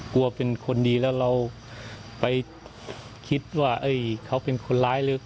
กลัวเป็นคนดีแล้วเราไปคิดว่าเขาเป็นคนร้ายหรือ